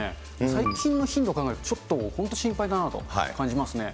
最近の頻度考えると、ちょっと、本当心配だなと感じますね。